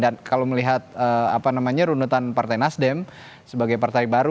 dan kalau melihat apa namanya runutan partai nasdem sebagai partai baru